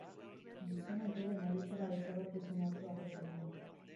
Gizona igerian ari zela desagertu zen atzo arratsaldean.